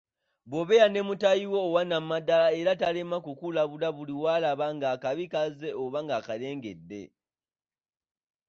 Bw'obeera ne mutaayi wo owannamaddala era talema kukulabula buli lwalaba nga akabi kazze oba ng'akalengedde